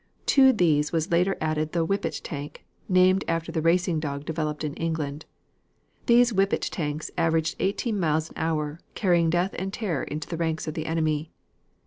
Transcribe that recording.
To these was later added the whippet tank, named after the racing dog developed in England. These whippet tanks averaged eighteen miles an hour, carrying death and terror into the ranks of the enemy.